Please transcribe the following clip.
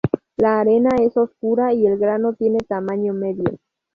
La arena es oscura y el grano tiene tamaño medio.